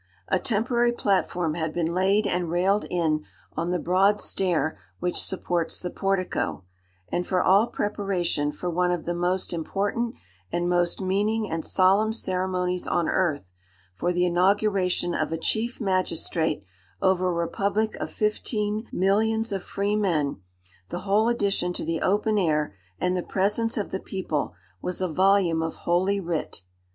A temporary platform had been laid and railed in on the broad stair which supports the portico, and, for all preparation for one of the most important and most meaning and solemn ceremonies on earth—for the inauguration of a chief magistrate over a republic of fifteen millions of freemen—the whole addition to the open air and the presence of the people, was a volume of Holy Writ.